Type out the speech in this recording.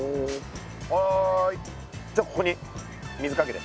はいじゃあここに水かけて。